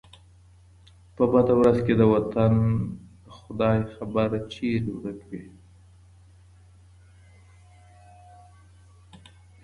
په بده ورځ کي د وطن ، خداى خبر ، چرته ورک وې